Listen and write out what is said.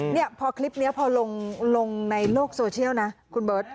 เนี่ยพอคลิปนี้พอลงในโลกโซเชียลนะคุณเบิร์ต